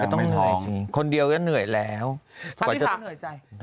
น้องคนก็เหนื่อย